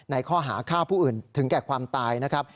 ในข้อหาฆ่าผู้อื่นถึงแก่ความตายนะครับ